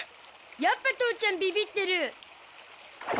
やっぱ父ちゃんビビってる。